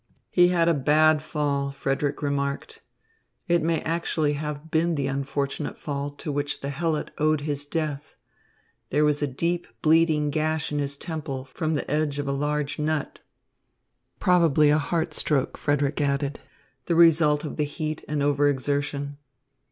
"He had a bad fall," Frederick remarked. It may actually have been the unfortunate fall to which the helot owed his death. There was a deep bleeding gash in his temple from the edge of a large nut. "Probably a heart stroke," Frederick added, "the result of the heat and over exertion."